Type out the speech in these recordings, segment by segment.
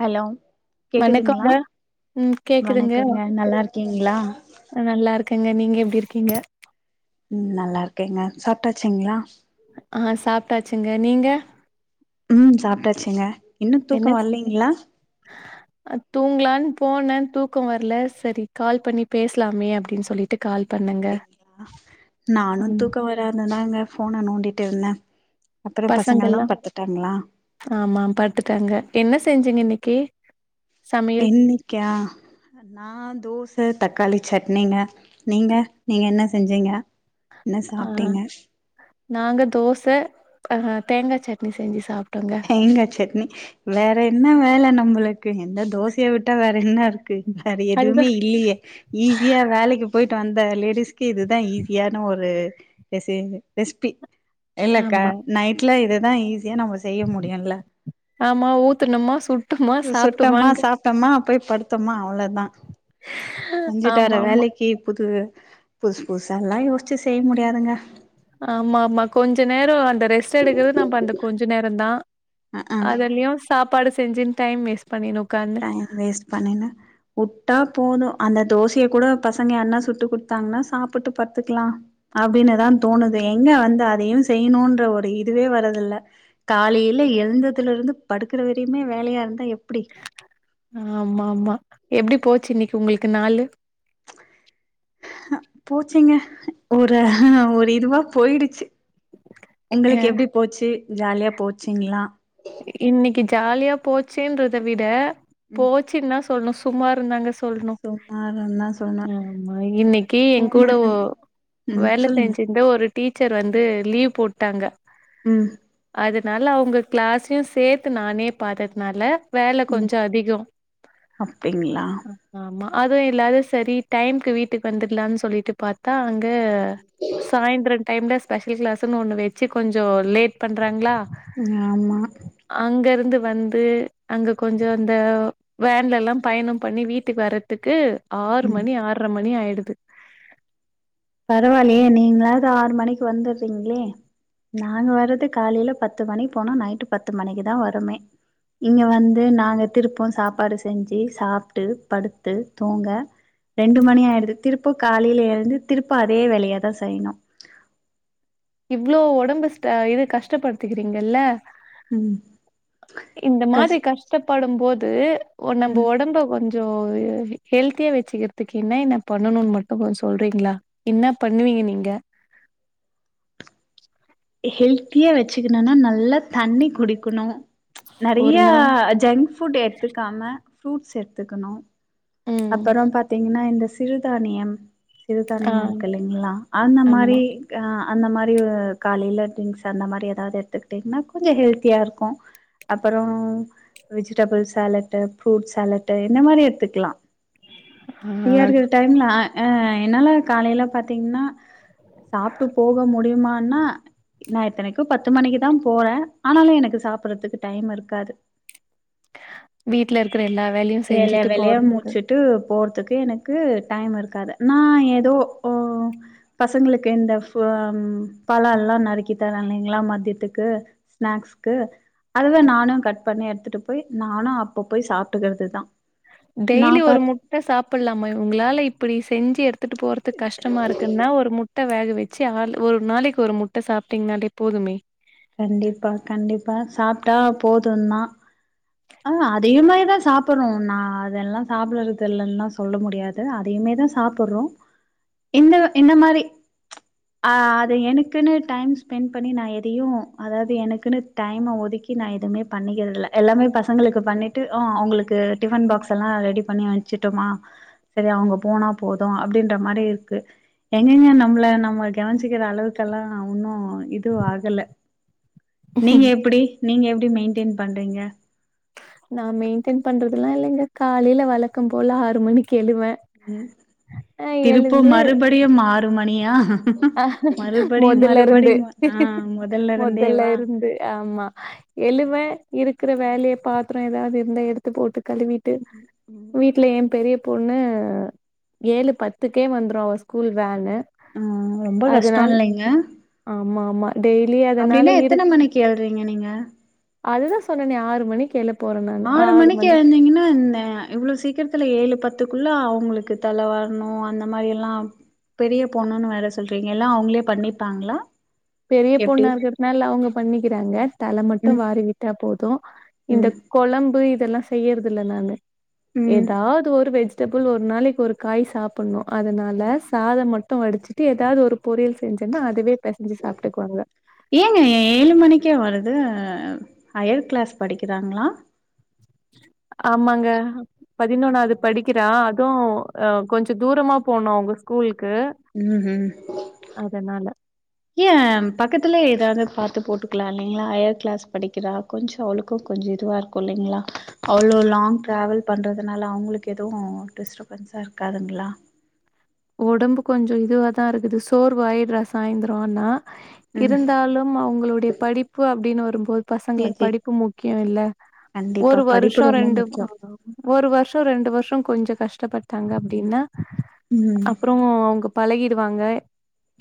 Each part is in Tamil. ஹலோ வணக்கங்க கேக்குதுங்ளா ம் கேக்குதுங்க வணக்கங்க நல்லா இருக்கீங்ளா நல்லா இருக்கங்க நீங்க எப்டி இருக்கீங்க ம் நல்லா இருக்கேங்க சாப்டாச்சிங்ளா அ சாப்டாச்சுங்க நீங்க ம் சாப்டாச்சுங்க இன்னு தூக்கோ என்ன ஸ் வரலைங்ளா [unintelligible] தூங்கலான்னு போனே தூக்கோ வர்ல செரி கால் பண்ணி பேசலாமே அப்டினு சொல்லிட் அப்டிங்ளா நானு ம் தூக்கோ வர் லனு தாங்க ஃபோன நோண்டிட்டு இருந்த அப்பறோ பசங்கெல்லா பசங்கல்லா படுத்துட்டாங்களா ஆமா பாடுத்துட்டாங்க என்ன செஞ்சீங்க இன்னைக்கி இன்னைக்கா நா தோச தக்காளி சட்னிங்க நீங்க நீங்க என்ன செஞ்சீங்க என்ன ஆ சாப்ட்டீங்க நாங்க தோச ஆ தேங்கா சட்னி செஞ்சு சாப் தேங்கா சட்னி வேற என்ன வேல நம்மளுக்கு எந்த தோசைய விட்டா வேற என்ன இருக் க்கு வேற அதுதா எதுவுமே இல்லையே ஈஸியா வேலைக்கு போயிட்டு வந்த லேடிஸ்க்கு இதுதா ஈஸியான ஒரு ஜசேங்க ரெஸ்பி இல்லக்கா ஆமா நைட்ல இதுதா ஈஸியா நம்ம செய்ய முடியுல ஆமா ஊத்துனமா சுட்டோமா சாப்டோமாங் தமா போய் படுத்தமா அவ்வளோதா செஞ்சுட்டுர ஆமா ஆமா வேலைக்கு புது புதுசு புதுசாலா யோசிச்சு செய்ய முடியாதுங்க ஆமா ஆமா கொஞ்சோ நேரோ அந்த ரெஸ்ட் எடுக்றது நம்ம அந்த கொஞ்சோ நேரோ தா அ ஆ அதலயு சாப்பாடு செஞ்சு டைம் வேஸ்ட் பண்ணினு உட்காந் டைம் வேஸ்ட் பண்ணினு உட்டா போது அந்த தோசையை கூட பசங்க யார்னா சுட்டு கொடுத்தாங்கன்னா சாப்பிட்டு பத்துக்கலா அப்படின்னுதா தோணுது எங்க வந்து அதையு செய்யணுன்ற ஒரு இதுவே வரதில்ல காலையில எழுந்ததுலேருந்து படுக்கிற வரையுமே வேலையாக இருந்தா எப்டி ஆமா ஆமா எப்டி போச்சு இன்னைக்கு உங்களுக்கு நாலு [unintelligible] போச்சுங்க ஒரு ஒரு இதுவா போயிடுச்சு அ உங்களுக்கு எப்டி போச்சு ஜாலியா போச்சுங்களா இன்னைக்கு ஜாலியா போச்சுன்றத விட ம் போச்சுனுத சொல்லணு சுமாருதாங்க சொல் சொல்ணு சுமாருன்தா சொல்வே ஆமா இன்னைக்கு என் கூட உமனு ஒ ம் சொல்லுங்க இது ஒரு டீச்சர் வந்து லீவ் போட்டாங்க ம் அதுனால அவுங்க கிளாஸையு சேத்து நானே பார்த்ததுனால வேலை ம் கொஞ்சோ அதிகோம் அப்டிங்களா ஆமா அது இல்லாத சரி டைம்க்கு வீட்டுக்கு வந்துடலான்னு சொல்லிட்டு பாத்தா அங்க சாயந்திர டைம்ல ஸ்பெஷல் கிளாஸ்ன்னு ஒண்ணு வச்சு கொஞ்சோலேட் பண்றாங்களா ஆமா அங்க இருந்து வந்து அங்க கொஞ்சோ இந்த வேன்ல எல்லா பயணோ பண்ணி வீட்டுக்கு வரறதுக்கு ம் ஆறு மணி ஆரை மணி ஆயிடுது பரவாயில்லையே நீங்களாவது ஆறு மணிக்கு வந்துடுறீங்களே நாங்க வறது காலையில பத்து மணிக்கு போன நைட்டு பத்து மணிக்கு தா வருமே இங்கே வந்து நாங்க திருப்போ சாப்பாடு செஞ்சு சாப்பிட்டு படுத்து தூங்க ரெண்டு மணி ஆயிடுது திருப்பு காலையில எழுந்து திருப்பு அதே வேலைய தா செய்யணு இவ்வளோ உடம்பு இது கஷ்டப்படுத்துக்கிறீங்கல்ல உ இந்த மாதிரி கஷ்டப்படு போது நம்ம ம் உடம்பு கொஞ் கொஞ்சோ ஹெல்தியா வச்சுக்கிறதுக்கு என்ன என்ன பண்ணணும்னு மட்டு கொஞ்சோ சொல்றீங்களா என்ன பண்ணுவீங்க நீங்க ஹெல்த்தியா வச்சுக்கணுனா நல்லா தண்ணி குடிக்கணு நேறைய ஒரு நாள் ஜங்க் ஃபுட் எடுத்துக்காம ஃப்ரூட்ஸ் எடுத்துக்கணு ம் அப்றோ பாத்தீங்கன்னா இந்த சிறுதானியோ ஆ சிறுதானியம் இருக்குது இல்லூங்களா அந்த ஆமா. மாதிரி அந்த மாதிரி காலையில ட்ரிங்க்ஸ் அந்த மாதிரி ஏதாவது எடுத்துக்கிட்டிங்கன்னா கொஞ்சோ ஹெல்த்தியா இருக்கு அப்றோ வெஜிடபிள் சாலட்டு ஃப்ரூட் சாலட்டு இந்த மாதிரி எடுத்துக்கலா ஆ ஃப்ரீயா இருக்கிற டைம்ல என்னால காலையில பார்த்தீங்கன்னா சாப்ட்டு போக முடியுமனா நா இத்தனைக்கு பத்து மணிக்கு தா போறேன் ஆனாலு எனக்கு சாப்படுறதுக்கு டைம் இருக்காது வீட்டுல இருக்கிற எல்லா வேலையு செஞ்சுட்டு போறதுக்கு ட்டு போறதுக்கு எனக்கு டைம் இருக்காது நான் ஏதோ போ பசங்களுக்கு இந்த பழோ எல்லா நறுக்கி தர இல்லைங்களா மத்தியத்துக்கு ஸ்நாக்ஸ்கு அதுவே நானு கட் பண்ணி எடுத்துட்டு போய் நானு அப்ப போய் சாப்பிட்டுக்கிறது அதுதா டெய்லி ஒரு முட்ட சாப்பலாமா இவுங்களால இப்டி செஞ்சு எடுத் ட்டு போறதுக்கு கஷ்டமா இருக்குன்னா ஒரு முட் ட வேக வச்சு ஆள் ஒரு நாளைக்கு ஒரு முட்ட சாப்ட்டிங்கனாலே போதுமே கண்டிப்பா கண்டிப்பா சாப்ட்டா போதும் தா ஆ அதயு மாரிதா சாப் சாப்பறோம் நா அதெல்லா சாப்பறது இல்லன்னலா சொல்ல முடியாது அதையுமே தா சாப்பறோம் இந்த இந்த மாரி ஆ அது எனக்குன்னு டைம் ஸ்பென்ட் பண்ணி நா எதையும் அதாது எனக்குன்னு டைம ஒதிக் கி நா எதுமே பண்ணிக்கறதுல்ல எல்லாமே பசங்களுக்கு பண்ணிட்டு ஆன் அவங்களுக்கு டிஃபன் பாக்ஸல்லா ரெடி பண்ணி அனுப் வச்சிட்டமா சரி அவங்க போனா போதும் அப்டின்ற மாரி இருக்கு எங்கெங்க நம்மள நம்ம கவுன்ச்சுக்கற அளவுக்கல்லாம் நா ஒன்னும் இது ஆகல நீங்க எப்டி நீங்க எப்டி மெயின்டெயின் பண்றீங்க நா மெயின்டெய்ன் பண்றதுல்லா இல்லிங்க காலேல வழக்கம் போல ஆறு மணிக்கு எழுவேன் உம் அ திருப்ப மறுபடியும் ஆறு மணியா மறுபடியும் மொதல்லருந்து மறுபடியும் ஆ முதல்ல இருந்தே மொதல்ல வா இருந்து ஆமா எழுவன் இருக்கற வேலய பாத்திரம் ஏதாது இருந்த எடுத்து போட்டு கழுவிட்டு வீட்ல என் பெரிய பொண்ணு ஏழு பத்துக்கே வந்துரும் அவ ஸ்கூல் வேனு ஆ ரொம்ப அதனால கஷ்டம் இல்லைங்க ஆமா ஆமா டெய்லி அதனால அப்டின்னா இருக் எத்தன மணிக்கு எழுறீங்க நீங்க அதுதா சொன்னனே ஆறு மணி எழுப் ஆறு மணிக்கு எழுந்தீங்கன்னா என்ன இவ்ள சீக்கரத்துல ஏழு பத்துக்குள்ள அவங்களுக்கு தலவாரணும் அந்த மாரி எல்லாம் பெரிய பொண்ணுன்னு வேற சொல்றீங்க இல்ல அவங்களே பண்ணிப்பாங்களா பெரிய எப்டி பொண்ணா இருக்கறதுனால அவங்க பண்ணிக்கறாங்க தல மட்டும் ம் வாரி விட்டா போதும் இந்த ம் கொழம்பு இதல்லா செய்யறது இல்ல நானு ம் ஏதாது ஒரு வெஜ் டபிள் ஒரு நாளைக்கு ஒரு காய் சாப்பணும் அதனால சாதம் மட்டு வடிச்சுட்டு ஏதாது ஒரு பொரியல் செஞ்சேன்னா அதுவே பெசஞ்சு சாப்ட்டுக்குவாங்க ஏங்க ஏழு மணிக்கே வருது ம் ஹையர் க்ளாஸ் படிக்கறாங்களா ஆமாங்க பதினொன்னாவது படிக் கிறா அதுவு அ கொஞ்சோ தூரமா போணு அவுங்க ஸ்கூல்க்கு உம்ஹூம் ஏ ம் பக்கத்துல ஏதாது பாத்து போட்டுக்கலா இல்லிங்களா ஹையர் கிளாஸ் படிக்கறா கொஞ்சோ அவளுக்கு கொஞ்சோ இதுவா இருக் கும் இல்லிங்களா அவ்ள லாங் டிரவல் பண்றதுனால அவங்களுக்கு எதுவும் டிஸ்ட பன்ஸா இருக்காதுங்களா ஒடம்பு கொஞ்சோ இதுவாதா இருக்குது சோர்வாயிட்றா சாயிந்தரம் ஆனா ம் இருந்தாலும் அவுங்குளுடைய படிப்பு அப்டினு வரும்போது பசங்களுக் எஜி படிப்பு முக்கியம் இல்ல கண்டிப்பா ஒரு வருஷோ படிப்பு ரொம்ப ரெண்டு முக்கியோ ஒரு வருஷோ ரெண்டு வருஷோ கொஞ்ச கஷ்டப்பட்டாங்க அப்டினா ம் அப்றோ அவுங்க பழகிடுவாங்க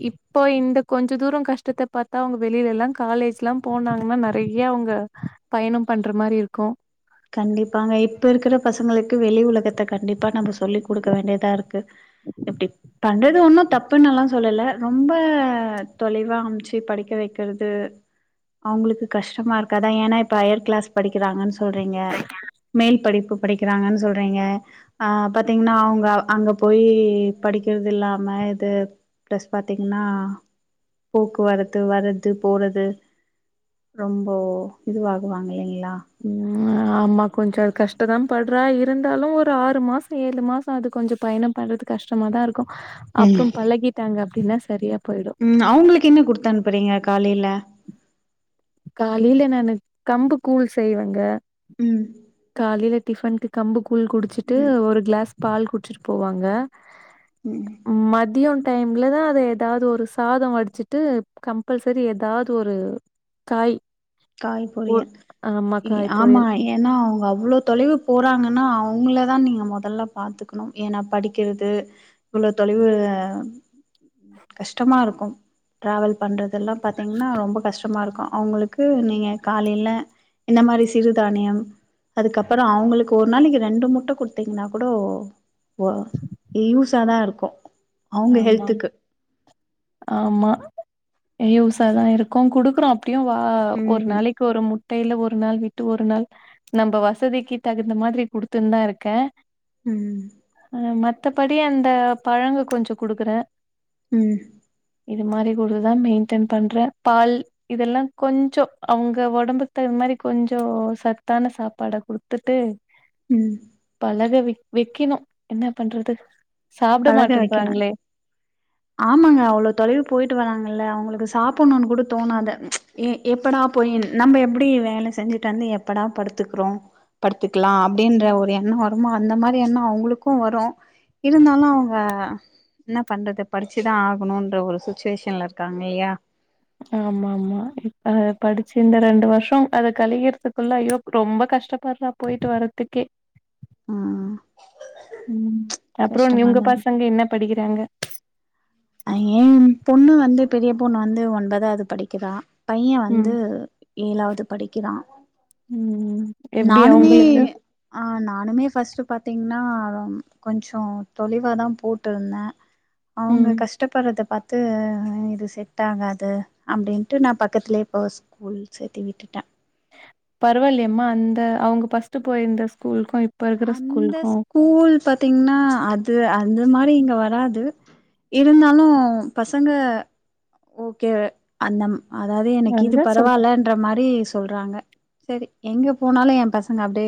இப்போ இந்த கொஞ்ச தூரம் கஷ்டத்த பாத்தா அவுங்க வெளில எல்லா காலேஜ்லா போனாங்கனா நறைய அவுங்க பயணம் பண்ற மாரி இருக்கும் கண்டிப்பாங்க இப்ப இருக்கற பசங்களுக்கு வெளி உலகத்த கண்டிப்பா நம்ம சொல்லி குடுக்க வேண்டியதா இருக்கு எப்டி பண்றது ஒன்னு தப்புன்னல்லா சொல்லல ரொம்ப தொலைவா அம்ச்சி படிக்க வெக்கறது அவுங்களுக்கு கஷ்டமா இருக்காதா ஏனா இப்ப ஹயர் கிளாஸ் படிக்கிறாங்கன் சொல் றீங்க மேல் படிப்பு படிக்கறாங்கன் சொல்றீங்க அ பாத்தீங்னா அவுங்க அங்க போயி படிக்கற்தில்லாம இது பிளஸ் பாத்தீங்ன்னா போக்குவரத்து வரது போறது ரொம்போ இதுவாகுவாங்க இல்லிங்ளா ம் ஆமா கொஞ்சோ கஷ்டதா பட்றா இருந்தாலு ஒரு ஆறு மாசோ ஏழு மாசோ அது கொஞ்சோ பயணம் பண்றது கஷ்டமாதா இருக்கு ம் அப்றோ பழகிட்டாங்க அப்டினா சரியா போய்டு ம் அவுங்களுக் என்ன குடுத் அனுப்பறீங்க காலைல காலைல நானு கம்பு கூழ் செய்வங்க ம் காலைல டிஃபன்க்கு கம்பு கூழ் குடிச்சிட்டு ம் ஒரு க்ளாஸ் பால் குட்ச்சிட்டு போவாங்க ம் மதியோ டைம்லதா அது எதாது ஒரு சாதோ வடிச்சிட்டு கம்ப்பல்சரி எதாது ஒரு காயி காய் பொரியல் இ காய் ஆமா பொரியல் இ ஏனா அவுங்க அவ்ளோ தொலைவு போறாங்கனா அவுங்களதா நீங்க மொதல்ல பாத்துக்கணு ஏனா படிக்கிறது இவ்ளோ தொலைவு கஷ்டமா இருக்கு ட்ராவல் பண்றதெல்லா பாத்தீங்னா ரொம்ப கஷ்டமா இருக்கு அவுங்களுக் கு நீங்க காலைல இந்த மாரி சிறுதானியம் அதுக்கப்பறோ அவுங்களுக்கு ஒரு நாளைக்கு ரெண்டு முட்ட குடுத்தீங்கனா கூட ஓ ஓ யூஸாதா இருக்கு அவுங்க ஆமாம் ஹெல்த்துக்கு ஆமா யூசாதா இருக்கு குடுக்கறோ எப்டியு வா ஒரு ம் நாளைக் ஒரு மு ட்டையில ஒரு நாள் விட்டு ட்டைல ஒரு நாள் விட்டு ஒரு நாள் நம்ப வசதிக்கு தகுந்த மாரி குடுத்துன்தா இருக்கே ம் அ மத்தபடி அந்த பழங்க கொஞ்சோ குடுக்கற ம் இது மாரி குடுத் தா மெய்ன்டென் பண்ற பால் இதெல்லா கொஞ்சோ அவுங்க ஒடம்புக் தகுந் மாரி கொஞ்சோ சத்தான சாப்பாடா குடு த்துட்டு ம் பழக வெக் வெக்கிணு என்ன பண்றது சாப்ட பழக வைக்கணு மாட்டன்றாங்ளே ஆமாங்க அவ்ளோ தொலைவு போய்ட்டு வராங்கல்ல அவுங்களுக்கு சாப்பட்ணுன் கூட தோணாது எ எப்படா போயி நம்ம எப்புடி வேல செஞ்சிட் வந்து எப்படா படுத்துக்றோ படுத்துக்லா அப்டின்ற ஒரு எண்ணோ வருமோ அந்த மாரி எண்ணோ அவுங்களுக்கு வரு இருந்தாலு அவுங்க என்ன பண்றது படிச்சி தா ஆகணுன்ற ஒரு சுச்வேஷன்ல இருக்காங் இல்லியா ஆமா ஆமா இப்ப படிச்சி இந்த ரெண்டு வர்ஷோ அத கழியற்த்துக்குள்ள அய்யோ ரொம்ப கஷ்டப்பட்றா போய்ட்டு வரத்துக்கே ம் ம் அப்றோ உங்க கஷ்டமாதா இருக்கு. பசங்க என்ன படிக்கிறாங்க அ எம்பொண்ணு வந்து பெரிய பொண்ணு வந்து ஒன்பதாவ்து படிக்கறா பைய ம் வந்து ஏழாவ்து படிக்கிறா ம் ம் நானுமே ஆ நானுமே ஃபர்ஸ்ட் பார்த்தீங்கன்னா கொஞ்சோ தொளைவா தா போட்டுருந்த அவுங்க ம் கஷ்டப்படுறத பாத்து இது செட் ஆகாது அப்படின்ட்டு நா பக்கத்திலே இப்போ ஸ்கூல் சேத்தி விட்டுட்ட பரவாயில்லேம்மா அந்த அவுங்க பர்ஸ்ட்டு போயிருந்த ஸ்கூலுக்கு இ அந்த ஸ்கூல் பாத்தீங்கன்னா அது அந்து மாரி இங்க வராது இருந்தாலும் பசங்க ஓகே அந்தம் அதாவது எனக்கு இது அதுதா சொல்ற பரவால்ல ன்ற மாரி சொல்றாங்க சரி எங்க போனாலு எ பசங்க அப்டே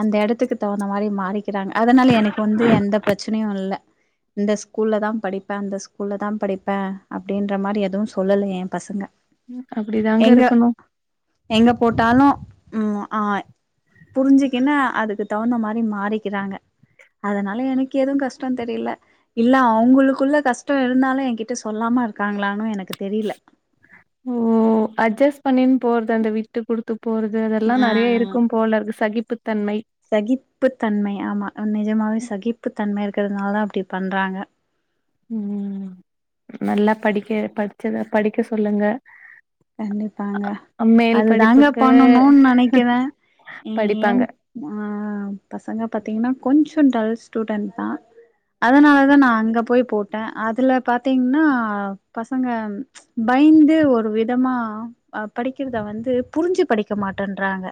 அந்த எட த்துக்கு தகுந்த மாரி மாறிக்கிறாங்க அதனால எனக்கு வந்து எந்த பிரச்சனையு இல்ல இந்த ஸ்கூல்ல தா படிப்ப அந்த ஸ்கூல்ல தா படிப்ப அப்டின்ற மாரி எதுவு சொல்லல எ பசங்க ம் அப்படி தாங்க எங்க இருக்கணு எங்க போட்டாலு ம் அ புரிஞ்சிக்கின்னு அதுக்கு தகுந்த மாரி மாறிக்கிறாங்க அதனால எனக்கு எது கஷ்டோ தெரியல இல்ல அவுங்களுக்குள்ள கஷ்டோ இருந்தாலு என்கிட்ட சொல்லாம இருக்காங்களான்னு எனக்கு தெரியல ஓ அட்ஜஸ்ட் பண்ணின்னு போறது அந்த விட்டு குடுத்து போறது அதெல்லா நறைய ம் இருக்கும் போல இருக்கு சகிப்புத்தன்மை சகிப்பு தன்மை ஆமா நிஜமாவே சகிப்பு தன்மை இருக்கிறதுனால தா அப்படி பண்றாங்க ம் நல்லா படிக்க படிச்சத படிக்க சொல்லுங்க கண்டிப்பாங்க மேல் அது தாங்க படிப்புக்கு பண்ணணுன்னு நனைக்கிற படிப்பாங்க ஆ பசங்க பாத்தீங்கன்னா கொஞ்சோ டல் ஸ்டூடெண்ட் தா அதனாலதா நா அங்க போய் போட்ட அதுல பாத்தீங்கன்னா பசங்க பயந்து ஒரு விதமா அ படிக்கிறத வந்து புரிஞ்சு படிக்க மாட்டேன்றாங்க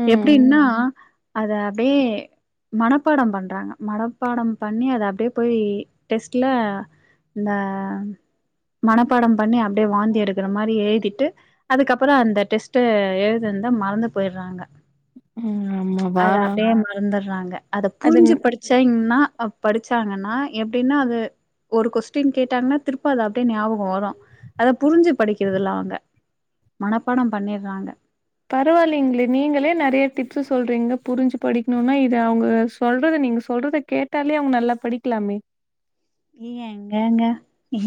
ம் எப்படின்னா அத அப்டே மனப்பாடம் பண்றாங்க மனப்பாடம் பண்ணி அத அப்டே போய் டெஸ்ட்ல இந்த மனப்பாடம் பண்ணி அப்டே வாந்தி எடுக்கற மாரி எழுதிட்டு அதுக்கப்பறோ அந்த டெஸ்ட்ட எழுதன்த மறந்து போயிடுறாங்க ம் ஆமாவா அது அப்டே மறந்துடுறாங்க அத அது புரிஞ்சு படி சைங்னா படிச்சாங்கன்னா எப்படின்னா அது ஒரு கொஸ்டின் கேட்டாங்கன்னா திருப்ப அது அப்டே ஞாபகோ வரு அத புரிஞ்சு படிக்கிறது இல்ல அவுங்க மனப்பாடம் பண்ணிடுறாங்க பரவாயில்லைங்களே நீங்களே நறைய டிப்ஸ்சு சொல்றீங்க புரிஞ்சு படிக்கணும்னா இது அவுங்க சொல்றத நீங்க சொல்றத கேட்டாலே அவுங்க நல்லா படிக்கலாமே இ எங்கங்க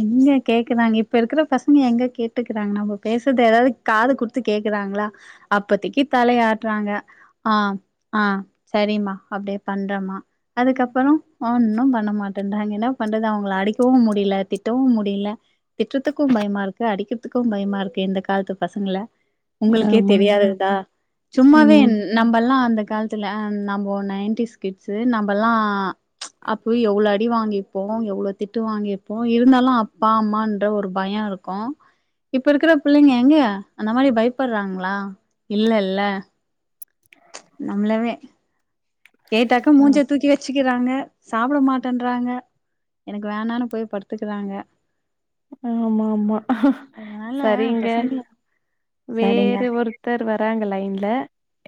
எங்க கேக்குறாங்க இப்ப இருக்கிற பசங்க எங்க கேட்டுக்கறாங்க நம்ம பேசறத ஏதாவது காது குடுத்து கேக்குறாங்களா அப்பத்திக்கு தலை ஆட்றாங்க ஆ ஆ சரிம்மா அப்டே பண்றமா அதுக்கப்பறோ ஒன்னும் பண்ண மாட்டேன்றாங்க என்னா பண்றது அவுங்கள அடிக்கவும் முடியல திட்டவும் முடியல திட்டறதுக்கும் பயமா இருக்கு அடிக்கிறதுக்கும் பயமா இருக்கு இந்த காலத்து பசங்கல உங்களுக்கே ஆமாங்களா தெரியாததா சும்மாவே ம் என் நம்பல்லாம் அந்த காலத்துல நம்போ நைன்டிஸ்கிட்ஸு நம்பல்லா அப்போ எவ்ளோ அடி வாங்கி ப்போ எவ்ளோ திட்டு வாங்கிருப்போம் இருந்தாலு அப்பா அம்மன்ற ஒரு பயோ இருக்கு இப்ப இருக்கிற பிள்ளைங்க எங்க அந்த மாரி பயப்படுறாங்களா இல்ல இல்ல நம்மளவே கேட்டாக்க ஆ மூஞ்ச தூக்கி வச்சு வச்சுக்கிறாங்க சாப்பிட மாட்டேன்றன்றாங்க எனக்கு வேணானனு போய் படுத்துக்கறாங்க ஆமா ஆமா அதனால சரிங்க பசங்கள சரிங்க வேற ஒருத்தர் வராங்க லைன்ல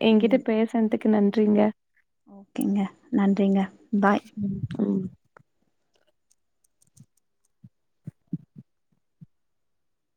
என்கிட்ட பேச னதக்கு நன்றிங்க ஓக்கேங்க நன்றிங்க பாய் ம்